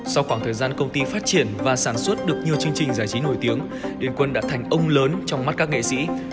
sau khoảng thời gian công ty phát triển và sản xuất được nhiều chương trình giải trí nổi tiếng đền quân đã thành ông lớn trong mắt các nghệ sĩ